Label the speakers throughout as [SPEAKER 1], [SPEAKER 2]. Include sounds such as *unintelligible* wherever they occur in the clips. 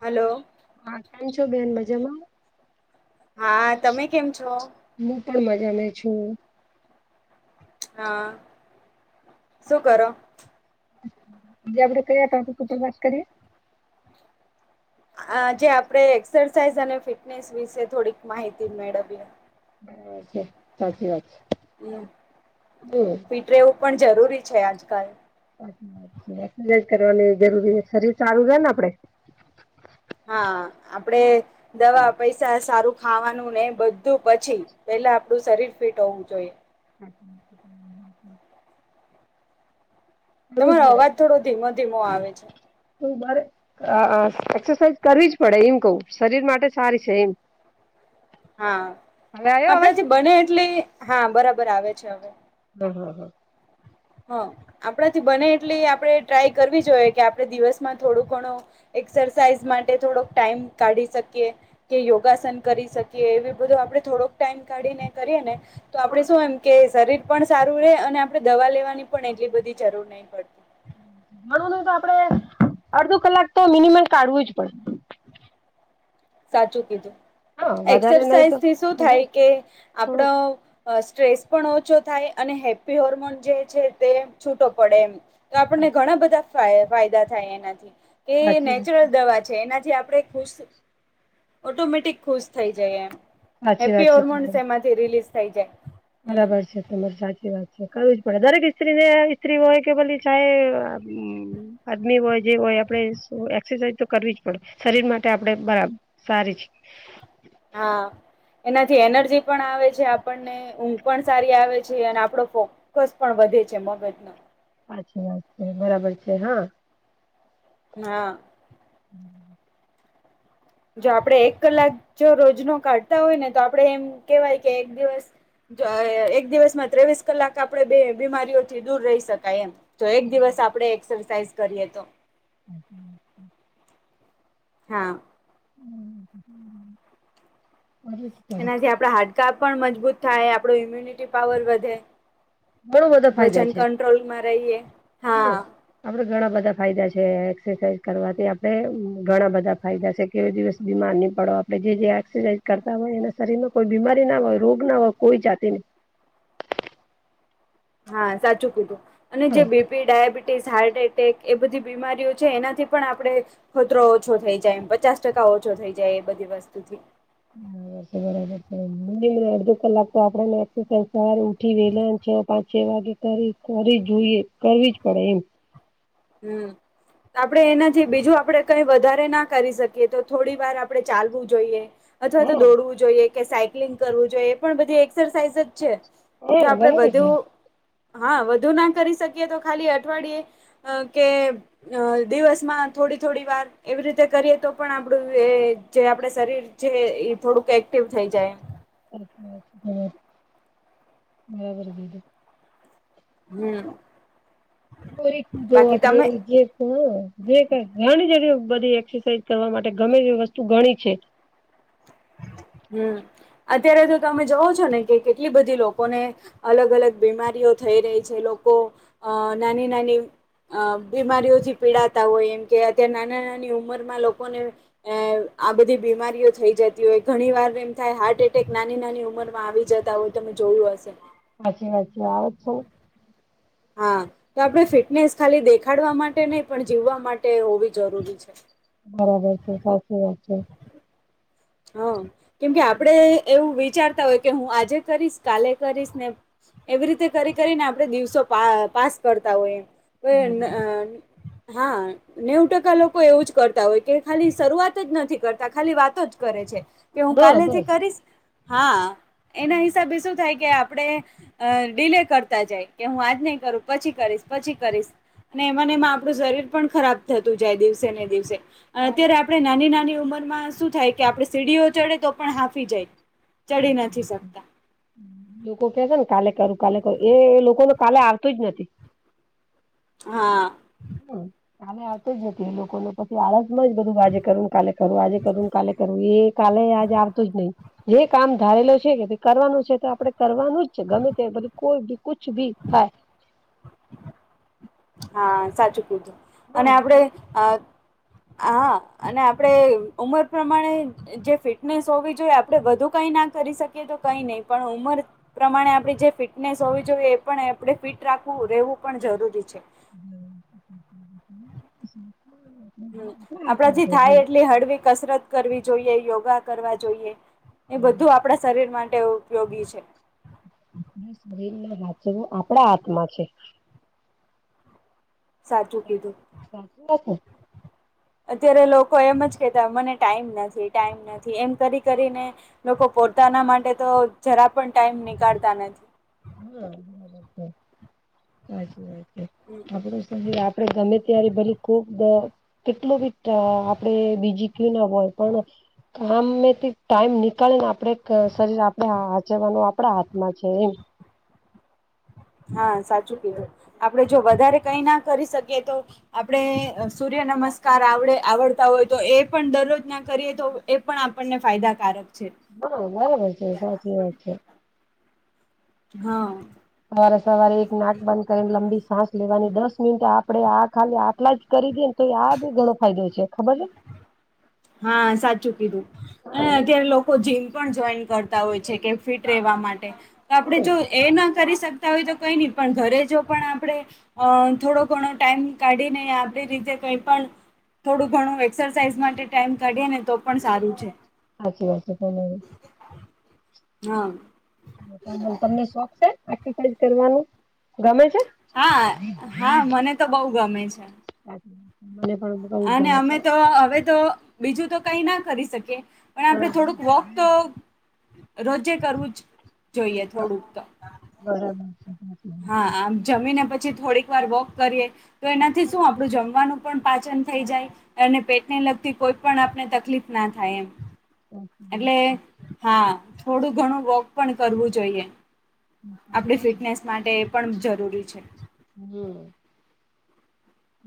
[SPEAKER 1] Hello.
[SPEAKER 2] હા, કેમ છો બેન મજામાં?
[SPEAKER 1] હા, તમે કેમ છો?
[SPEAKER 2] હું પણ મજામાં છું.
[SPEAKER 1] હા, શું કરો?
[SPEAKER 2] ઉજાગરો કર્યા તા તો *unintelligible* વાસ કર્યો.
[SPEAKER 1] આજે આપડે એક્સરસાઇઝ અને ફિટનેસ વિશે થોડીક માહિતી મેળવીએ.
[SPEAKER 2] બરાબર છે, સાચી વાત છે.
[SPEAKER 1] હમ,
[SPEAKER 2] હમ
[SPEAKER 1] ફીટ રેવું પણ જરૂરી છે આજકાલ.
[SPEAKER 2] સાચી વાત છે. એક્સરસાઈઝ કરવાની જરૂરી છે શરીર સારું રેન આપડે.
[SPEAKER 1] હા, આપડે દવા, પૈસા, સારું ખાવાનું એ બધું પછી પેલા આપડુ શરીર ફિટ હોવું જોઈએ.
[SPEAKER 2] સાચી વાત છે, તમારી *unintelligible* કરવું
[SPEAKER 1] તમારો
[SPEAKER 2] જ
[SPEAKER 1] અવાજ થોડો ધીમો-ધીમો આવે છે.
[SPEAKER 2] તું બર *unintelligible* અ એક્સરસાઈઝ કરવી જ પડે ઈમ કવ, શરીર માટે સારી છે ઈમ.
[SPEAKER 1] હા,
[SPEAKER 2] આવ્યો અવાજ
[SPEAKER 1] આપડાથી બને એટલી, હા બરાબર આવે છે હવે.
[SPEAKER 2] દ હો હો *unintelligible*
[SPEAKER 1] હઅ, આપડાથી બને એટલી આપડે ટ્રાય કરવી જોઈએ કે આપડે દિવસમાં થોડું ઘણું એક્સરસાઈઝ માટે થોડોક ટાઈમ કાઢી શકીએ કે યોગાસન કરી શકીએ એવી બધું આપડે થોડોક ટાઈમ કાઢીને આપણે કરીએને તો આપડે શું એમ કે, શરીર પણ સારું રે અને આપડે દવા લેવાની પણ એટલી બધી જરૂર નઈ પડતી
[SPEAKER 2] માનવાનું તો આપડે, અડધો કલાક તો મિનિમમ કાઢવું જ પડે.
[SPEAKER 1] સાચું કીધું.
[SPEAKER 2] હા વધારે નહી તો
[SPEAKER 1] એક્સરસાઇઝથી શું
[SPEAKER 2] હમ
[SPEAKER 1] થાય કે
[SPEAKER 2] હમ
[SPEAKER 1] આપડ અ સ્ટ્રેસ પણ ઓછો થાય અને હેપી હોર્મોન જે છે તે છૂટો પડે એમ. તો આપડને ઘણા બધા ફાય-ફાયદા થાય એનાથી કે,
[SPEAKER 2] સાચી વાત
[SPEAKER 1] નેચરલ દવા છે એનાથી આપડે બસ *inaudible* ઓટોમેટિક ખુશ થઈ જાય એમ,
[SPEAKER 2] સાચી
[SPEAKER 1] હેપી
[SPEAKER 2] વાત છે તમારી
[SPEAKER 1] હોર્મોન્સ એમાંથી રિલીઝ થઈ જાય. હમ
[SPEAKER 2] બરાબર છે તમારી સાચી વાત છે. કરવું જ પડે, દરેક સ્ત્રીને સ્ત્રી હોય કે ભલી ચાહે આદમી હોય, જે હોય, આપડે એક્સરસાઇઝ તો કરવી જ પડે શરીર માટે આપડે બરાબર. સારી છે.
[SPEAKER 1] હા એનાથી એનર્જી પણ આવે છે આપણને ને ઊંઘ પણ સારી આવે છે અને આપળો ફોકસ પણ વધે છે મગજ નો.
[SPEAKER 2] હાચી વાત છે બરાબર છે હા.
[SPEAKER 1] નાહ
[SPEAKER 2] *inaudible*
[SPEAKER 1] જો આપળે એક કલાક જો રોજનુ કાળતા હોય ને તો આપળે એમ કેવાય કે એક દિવસ જો આય એક દિવસમાં ત્રેવીસ કલાક આપળે બે બીમારીઓથી દૂર રેય શકાય એમ જો એક દિવસ આપળે એક્સરસાઈઝ કરીએ તો.
[SPEAKER 2] *inaudible*
[SPEAKER 1] હા.
[SPEAKER 2] *inaudible*
[SPEAKER 1] એનાથી આપળા હાડકા પણ મજબુત થાય આપળુ ઈમ્યુનિટી પાવર વધે
[SPEAKER 2] ઘણો બધા ફાયદા
[SPEAKER 1] વજન
[SPEAKER 2] છે
[SPEAKER 1] કંટ્રોલમાં રૈએ, હા.
[SPEAKER 2] આપળે ઘણા બધા ફાયદા છે એક્સસાઇઝ કરવાથી આપળે ઘણા બધા ફાયદા સે *unintelligible* દિવસ બીમાર ની પળો, આપળે જે જે એક્સસાઇઝ કરતા હોય એના શરીરમાં કોઈ બીમારી ના હોય, રોગ ના *unintelligible* કોઈ જાતી નય.
[SPEAKER 1] હા સાચું કીધું અને
[SPEAKER 2] હા
[SPEAKER 1] જે બી P, diabetes, heart attack એ બધી બીમારીઓ છે એનાથી પણ આપળે ખતરો ઓછો થઈ જાય એમ પચાસ ટકા ઓછો થઈ જાય એ બધી વસ્તુથી. *inaudible*
[SPEAKER 2] સે બરાબર છે *unintelligible* અળધો કંલાક તો આપળાને એક્સસાઇઝ સવાર ઉઠી વેલન છે પાંચ છે વાગે કરી કરી જુઈએ કરવી જ પળે એમ.
[SPEAKER 1] હમ આપળે એનાજે બીજું આપળે કઈ વધારે ના કરી શકીએ તો થોડી વાર આપળે ચાલવું જોઈએ અથવા તો
[SPEAKER 2] હા
[SPEAKER 1] દોળવું જોઈએ, કે સાયક્લિંગ કરવું જોઈએ એ પણ બધી એક્સરસાઇઝ જ છે
[SPEAKER 2] હા
[SPEAKER 1] જો આપળે
[SPEAKER 2] બરાબર છે
[SPEAKER 1] વધુ
[SPEAKER 2] સાચી
[SPEAKER 1] હા વધુ ના કરી શકીએ તો ખાલી અઠવાળિયે અ કે અ દિવસમાં થોળી થોળી વાર એવી રીતે કરીએ તો પણ આપળુ વેએ જે આપળે શરીર જે ઈ થોળુક એક્ટિવ થઈ જાય એમ.
[SPEAKER 2] સાચી વાત છે તમારી બરાબર કીધું.
[SPEAKER 1] હમ.
[SPEAKER 2] *unintelligible*
[SPEAKER 1] બાકી
[SPEAKER 2] આપળે
[SPEAKER 1] તમે
[SPEAKER 2] રે જે હ અ જે *unintelligible* ઘણી જ એવીઓ બધી એક્સસાઇઝ કરવા માટે ગમે એવી વસ્તુ ઘણી છે.
[SPEAKER 1] હમ્મ અત્યારે તો તમે જોવો છો ને કે કેટલી બધી લોકોને અલગ અલગ બીમારીઓ થય રઈ છે લોકો અ નાની નાની અ બીમારીઓથી પીળાતા હોય એમ કે અત્યારે નાના નાની ઉંમરમાં લોકોને અ આ બધી બીમારીઓ થઈ જત્ ી ઓય ઘણી વાર એમ થાય હાર્ટ એટેક નાની નાની ઉંમરમાં આવી જતા હોય, તમે જોયું અશે?
[SPEAKER 2] સાચી વાત છે આ. *unintelligible*
[SPEAKER 1] હા તો આપળે ફિટનેસ ખાલી દેખાળવા માટે નય પણ જીવા માટે હોવી જરૂરી છે.
[SPEAKER 2] બરાબર છે સાચી વાત છે.
[SPEAKER 1] હ, કેમકે
[SPEAKER 2] બરાબર
[SPEAKER 1] આપળે એવું વિચારતા ઓય કે હું આજે કરીશ, કાલે કરીશ ને એવી રીતે કરી કરીને આપળે દિવસો પા પાસ કરતા ઓય એમ *unintelligible* ન અ હા. નેવુ ટકા લોકો એવું જ કરતા ઓય કે ખાલી શરૂઆત જ નથી કરતા ખાલી વાતો જ કરે છે કે હું
[SPEAKER 2] હા
[SPEAKER 1] કાલેથી
[SPEAKER 2] બસ
[SPEAKER 1] કરીશ. હા, એના હિસાબે શું થાય કે આપડે અ ડીલે કરતા જાય કે હું આજ નહી કરું, પછી કરીશ પછી કરીશ. અને એમા ને એમાં આપણું શરીર પણ ખરાબ થતું જાય દિવસે ને દિવસે. અને
[SPEAKER 2] કાલે
[SPEAKER 1] અત્યારે આપણે નાની- નાની ઉંમરમાં શું થાય કે આપણે સીડીઓ ચડે તો પણ હાંફી જાય. ચઢી નથી શકતા.
[SPEAKER 2] લોકો કે છે ને કાલે કરું કાલે કરું. એ લોકો ને કાલે આવતું જ નથી.
[SPEAKER 1] હા.
[SPEAKER 2] હમ, કાલે આવતો જ નથી એ લોકોને. પછી આળસમાં જ બધું આજે કરવું, કાલે કરવું, આજે કરવું કાલે કરવું, એ કાલે આજે આવતું જ નહી. જે કામ ધારેલો છે કે તે કરવાનું છે તો આપડે કરવાનું જ છે ગમે તે કોઈ ભી કુછ ભી થાય.
[SPEAKER 1] હા, સાચું કીધું અને આપણે
[SPEAKER 2] આપણા
[SPEAKER 1] અ હા, અને આપડે ઉમર પ્રમાણે જે ફિટનેસ હોવી જોઈએ, આપડે વધુ કઈ ના કરી શકીએ તો કઈ નહી પણ ઉંમર પ્રમાણે આપણી જે ફિટનેસ હોવી જોઈએ એ પણ આપણે ફિટ રાખવું રહેવું પણ જરૂરી છે.
[SPEAKER 2] હમ *inaudible*
[SPEAKER 1] હમ, આપણાથી થાય એટલી હળવી કસરત કરવી જોઈએ, યોગા કરવા જોઈએ. એ બધું આપડા શરીર માટે ઉપયોગી છે.
[SPEAKER 2] આપણા શરીરના સાચવવું આપણા હાથમાં છે.
[SPEAKER 1] સાચું કીધું.
[SPEAKER 2] સાચી વાત ને.
[SPEAKER 1] અત્યારે લોકો એમ જ કહેતા મને ટાઈમ નથી ટાઈમ નથી એમ કરી કરીને. લોકો પોતાના માટે તો જરા પણ ટાઈમ નિકાળતા નથી.
[SPEAKER 2] હા બરાબર, સાચી વાત છે.
[SPEAKER 1] હમ.
[SPEAKER 2] આપડુ શરીર આપડે ગમે ત્યારે ભલી ખુબ *unintelligible* કેટલો બી આપણેે બીજી *unintelligible* હોય. કામમાથી ટાઈમ નીકાળીને આપણે શરીર આપણે હાચવવાનું આપડા હાથમાં છે એમ.
[SPEAKER 1] હા, સાચું કીધું. આપડે જો વધારે કાંઈ ના કરી શકીએ તો. આપણે સૂર્ય નમસ્કાર આવડે આવડતા હોય તો એ પણ દરરોજ ના કરીએ તો એ પણ આપણને ફાયદાકારક છે.
[SPEAKER 2] હા બરાબર છે, સાચી વાત છે.
[SPEAKER 1] હા.
[SPEAKER 2] સવારે -સવારે એક નાક બંધ કરીને લંબી સાસ લેવાની, દસ મિનિટ આપડે આ ખાલી આટલા જ કરી દીયે તો આ બી ઘણો ફાયદો છે ખબર છે.
[SPEAKER 1] હા, સાચું કીધું. અને
[SPEAKER 2] હા એ
[SPEAKER 1] અત્યારે લોકો તો જીમ પણ જોઈન કરતા હોય છે કે ફિટ રહેવા માટે. તો આપડે જો એ ના કરી શ સકતા હોય તો કંઈ નહીં પણ, ઘરે જો પણ આપણે અ થોડો ઘણો ટાઈમ કાઢી નેઈ આપડી રીતે કઈ પણ થોડું ઘણું એક્સરસાાઈઝ માટે ટાઈમ કાઢીએ ને તો પણ સારું છે.
[SPEAKER 2] સાચી વાત છે તમારી.
[SPEAKER 1] હા.
[SPEAKER 2] મ તમને શોખ છે એક્સરસાઇઝ કરવાનું ગમે છે.
[SPEAKER 1] હા, હા, મને તો બહુ ગમે છે.
[SPEAKER 2] *unintelligible* મને પણ બઉ
[SPEAKER 1] અને
[SPEAKER 2] ગમે
[SPEAKER 1] અમે
[SPEAKER 2] છે
[SPEAKER 1] તો હવે તો બીજું તો કંઈ ના કરી શકીએ. પણ આપણે
[SPEAKER 2] હા
[SPEAKER 1] થોડુંક વોક તો રોજે કરવું જ જોઈએ થોડુંક તો.
[SPEAKER 2] બરાબ.
[SPEAKER 1] હા. આમ જમીને પછી થોડીક વાર વોક કરીએ તો એનાથી શું આપણું જમવાનું પણ પાચન થઈ જાય. અને પેટને લગતી કોઈ પણ આપને તકલીફ ના થાય એમ.
[SPEAKER 2] છે સાચી વાત
[SPEAKER 1] એટલે
[SPEAKER 2] છે
[SPEAKER 1] હા. થોડું ઘણું વોક પણ કરવું જોઈએ. આપણી ફિટનેસ માટે એ પણ જરૂરી છે.
[SPEAKER 2] હમ્મ.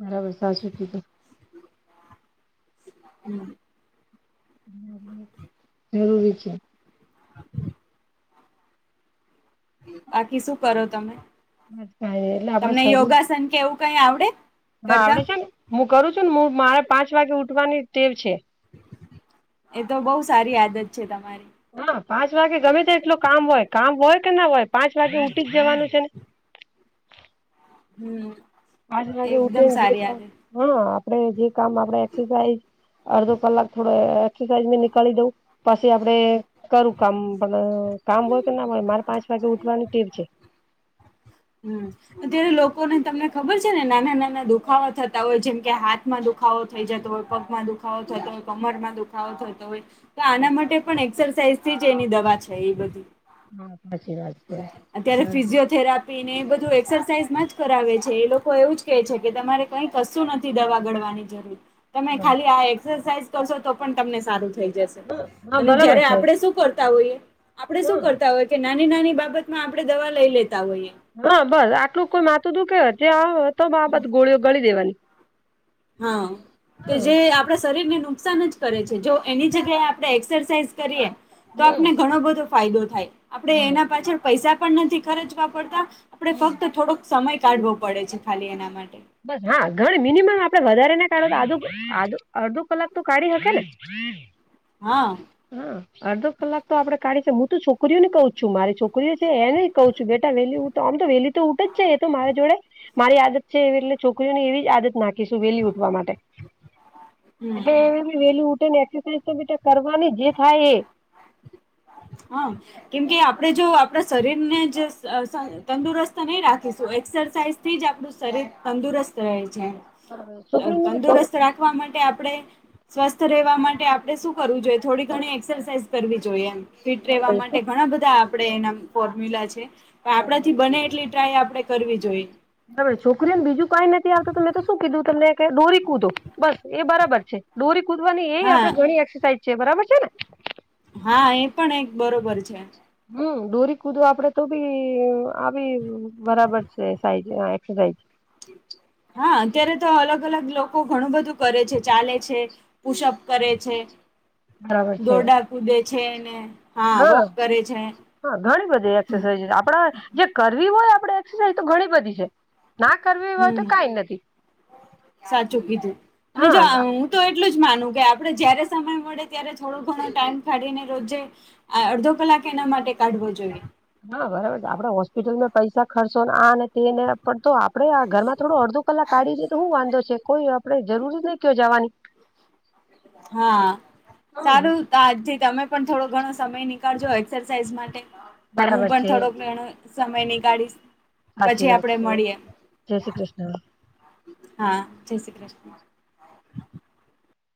[SPEAKER 2] બરાબર, સાચું કીધું.
[SPEAKER 1] હમ્મ.
[SPEAKER 2] જરૂરી છે.
[SPEAKER 1] બાકી શું કરો તમે?
[SPEAKER 2] એટલે આપડે
[SPEAKER 1] તમને
[SPEAKER 2] શરીર
[SPEAKER 1] યોગાસન કેવું કે એવું કંઈ આવડે?
[SPEAKER 2] હા
[SPEAKER 1] કરતા
[SPEAKER 2] આવડે છેન. હું કરું છું ન મુવ. મારે પાંચ વાગે ઉઠવાની ટેવ છે.
[SPEAKER 1] એ તો બઉ સારી આદત છે તમારી.
[SPEAKER 2] હા. પાંચ વાગે ગમે તેટલો કામ હોય, કામ હોય કે ના હોય, પાંચ વાગે ઉઠી જ જવાનું છે ને.
[SPEAKER 1] હમ્મ.
[SPEAKER 2] પાંજ વાગે ઉઠીન જે કામ, હા. આપણે જે કામ આપણે એક્સરસાઇઝ અડધો કલાક થોડો એક્સરસાઈઝ મેં નીકાળી દેવું. પસી આપણે કરું કામ. પણ કામ હોય કે ના હોય મારે પાંચ વાગે ઉઠવાની ટેવ છે.
[SPEAKER 1] હમ્મ. અત્યારે લોકોને તમને ખબર છે ને નાના-નાના દુખાવા થતા હોય, જેમ કે હાથમાં દુખ ખાવો થઈ જતો હોય, પગમાં દુખાવો થતો હોય, કમરમાં દુખાવો થતો હોય. તો આના માટે પણ એક્સરસાઇઝ થી જ એની દવા છે ઈ બધી.
[SPEAKER 2] બહુ સાચી વાત. છે
[SPEAKER 1] અત્યારે
[SPEAKER 2] બરાબર.
[SPEAKER 1] ફિઝિયોથેરાપ પી ને એ બધું એક્સરસાઇઝ માં જ કરાવે છે. એ લોકો એવું જ કહે છે, કે તમારે કંઈ કશું નથી દવા ગળવાની જરૂર. તમે ખાલી
[SPEAKER 2] બરાબર
[SPEAKER 1] આ એક્સરસાઇઝ કરશો તો પણ તમને સારું થઈ જશ
[SPEAKER 2] હા
[SPEAKER 1] અને
[SPEAKER 2] બરાબર
[SPEAKER 1] જયારે
[SPEAKER 2] છે
[SPEAKER 1] આપણેે શું કરતા હોઈએ? આપણે શું
[SPEAKER 2] હા
[SPEAKER 1] કર તાં હોય, કે નાની-નાની બાબત માં આપણે દવા લઈ લેતા હોઈએ.
[SPEAKER 2] હા બસ. આટલું કોઈ માથું દુખે હોય, ત્યાં તો બાબત ગોળીઓ ગળી દેવાની.
[SPEAKER 1] હા. તો
[SPEAKER 2] હા
[SPEAKER 1] જે આપ પણાં શરીર ને નુકસાન જ કરે છે. જો એની જગ્યાએ આપણેે એક્સરસાઇઝ કરીએ તો
[SPEAKER 2] હમ
[SPEAKER 1] આપને ઘણો બધો ફાયદો થાય. આપણે
[SPEAKER 2] ઘણું
[SPEAKER 1] એના પાછળ પૈસા પણ નથી ખર્ચવા પડતા આપણે
[SPEAKER 2] હમ
[SPEAKER 1] ફક્ત થોડોક સમય કાઢવો પડે છે ખાલી એના માટે.
[SPEAKER 2] બસ હા. ઘણ મિનિમમ આપણે વધારે ના કાઢો, તો આધો-આધો અડધો કલાક તો કાઢી હકે ને. *inaudible*
[SPEAKER 1] હા.
[SPEAKER 2] હા. અડધો કલાક તો આપણે કાઢી છે. હું તો છોકરીઓને કઉં છું. મારી છોકરીઓ છે એનેય કઉ છું, બેટા વહેલી ઉઠ તો આમ તો વહેલી તો ઉઠે જ છે. તો મારા જોડે મારી આદત છે એવી એટલે છોકરીઓ ને એવી જ આદત નાખીશું વહેલી ઉઠવા માટે.
[SPEAKER 1] હમ
[SPEAKER 2] એટલે એ વહેલી-વહેલી ઉઠે ને એક્સરસાાઈઝ તો બેટા કરવાની જ. જે થાય એ.
[SPEAKER 1] હા. કેમ કે આપણે જો આપણા શરીરને જ સ-સ તંદુરસ્ત નહીં રાખીશું, એક્સરસાઇઝ થી જ આપણું શરીર તંદુરસ્ત રહે છે. તં
[SPEAKER 2] છોકરીઓને
[SPEAKER 1] તંદુરસ્ત
[SPEAKER 2] બરાબર
[SPEAKER 1] રાખવા માટે આપણે સ્વસ્થ રહેવા માટે આપણે શું કરવું જોઈએ? થોડી ઘણી એક્સરસાાઈઝ કરવી જોઈએ એમ. ફિટ રેવા માટે
[SPEAKER 2] છે
[SPEAKER 1] ઘણા બધા આપડે એના ફોર્મ્યુલા છે. પણ
[SPEAKER 2] બરાબર
[SPEAKER 1] આપણાથી બને એટલી- -ટ્રાય આપડે કરવી જોઈએ.
[SPEAKER 2] આપડે છોકરીઓને બીજું કઈ નથી આવતું, મેં તો શું કીધું, તમને ડોરી કુંધો બસ એ બરાબર છે. ડોરી કૂદવાની, એ
[SPEAKER 1] હા
[SPEAKER 2] આપડે ઘણી એક્સરસાઇઝ છે બરાબર છે ને?
[SPEAKER 1] હા, એ પણ એક બરોબર છે.
[SPEAKER 2] હમ, દોરી કૂદો આપડે તો બી આવી બરાબર છે સાઈ- જે એકસરસાઇઝ
[SPEAKER 1] હા, અત્યારે તો અલગ અલગ લોકો, ઘણું બધું કરે છે ચાલે છે. પુષઅપ કરે છે,
[SPEAKER 2] બરાબર છે
[SPEAKER 1] દોરડા કૂદે છે એને-
[SPEAKER 2] હા, હા ઘણી બધી એક્સરસાઇઝ આપડા- જે કરવી હોય આપણેે એક્સરસાઇઝ, તો ઘણી બધી છે. ના કરવી હોય, તો
[SPEAKER 1] હમ
[SPEAKER 2] કઈ નથી.
[SPEAKER 1] સાચું કીધું, અને
[SPEAKER 2] હા
[SPEAKER 1] જો
[SPEAKER 2] ના
[SPEAKER 1] હ- તો એટલું જ માનું, કે આપણે જયારે સમય મળે ત્યારે થોડો ઘણો ટાઈમ કાઢીને રોજે- આ અડધો કલાક એના માટે કાઢવો જોઈએ.
[SPEAKER 2] હા, બરાબર આપડે હોસ્પિટલમાં પૈસા ખર્ચોને આ નથી, - તેને પણ તો આપડે આ ઘરમાં થોડો અડધો કલાક કાઢી દેએ તો હું વાંધો છે? કોઈ- આપણે જરૂર જ નહી, કયો જવાની.
[SPEAKER 1] હા,
[SPEAKER 2] હમ
[SPEAKER 1] સારું- તો, આજથી તમે પણ થોડો ઘણો સમય નીકળજો એક્સરસાઇઝ માટે, હું
[SPEAKER 2] બરાબર
[SPEAKER 1] પણ
[SPEAKER 2] છે
[SPEAKER 1] થોડોક ઘણો- -સમય નીકળીશ.
[SPEAKER 2] હાચી વાત છે, જય શ્રી કૃષ્ણ.
[SPEAKER 1] હા, જય શ્રી કૃષ્ણ.